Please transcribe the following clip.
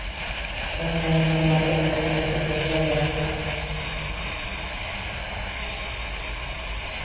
— Qani, yana bir marta, — qayta-qayta takrorladi